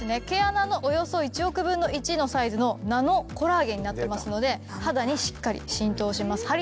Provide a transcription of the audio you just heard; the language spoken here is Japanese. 毛穴のおよそ１億分の１のサイズのナノコラーゲンになっていますので肌にしっかり浸透します。